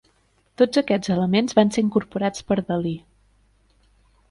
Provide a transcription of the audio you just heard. Tots aquests elements van ser incorporats per Dalí.